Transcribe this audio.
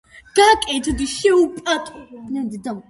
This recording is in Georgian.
წარმოიქმნება ორი მდინარის შეერთებით.